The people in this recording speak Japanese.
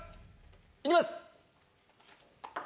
いきます！